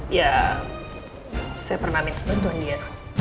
ya saya pernah minta bantuan ya